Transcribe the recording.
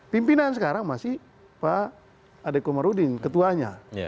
pimpinan sekarang masih pak adek komarudin ketuanya